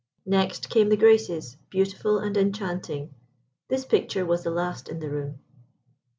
Next came the Graces, beautiful and enchanting. This picture was the last in the room.